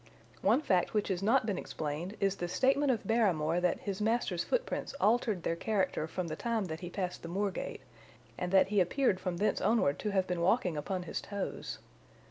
One fact which has not been explained is the statement of Barrymore that his master's footprints altered their character from the time that he passed the moor gate, and that he appeared from thence onward to have been walking upon his toes.